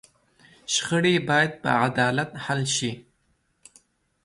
شخړې باید په عدالت حل شي.